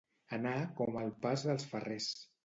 Anar com el pas dels ferrers.